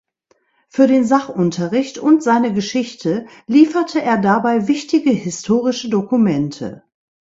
Für den Sachunterricht und seine Geschichte lieferte er dabei wichtige historische Dokumente.